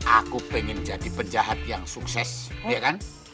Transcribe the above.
aku pengen jadi penjahat yang sukses ya kan